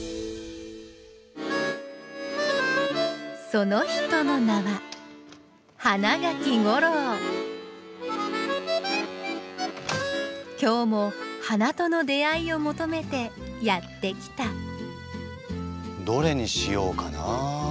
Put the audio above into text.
その人の名は今日も花との出会いを求めてやって来たどれにしようかな。